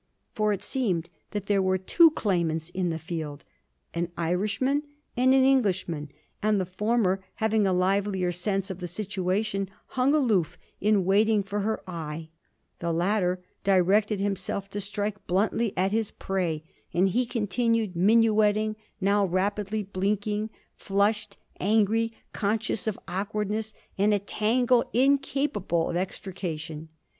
For it seemed that there were two claimants in the field, an Irishman and an Englishman; and the former, having a livelier sense of the situation, hung aloof in waiting for her eye; the latter directed himself to strike bluntly at his prey; and he continued minuetting, now rapidly blinking, flushed, angry, conscious of awkwardness and a tangle, incapable of extrication.